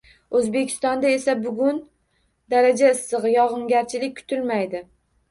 O'zbekistonda esa bugun daraja issiq, yog'ingarchilik kutilmaydi!